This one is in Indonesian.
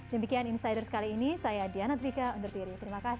demikian insider kali ini saya diana dwiqa undur diri